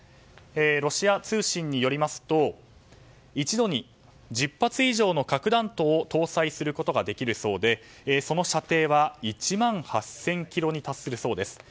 ロシア通信によりますと一度に１０発以上の核弾頭を搭載することができるそうでその射程は１万８０００ｋｍに達するそうです。